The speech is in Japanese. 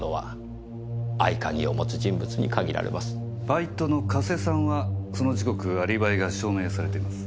バイトの加瀬さんはその時刻アリバイが証明されています。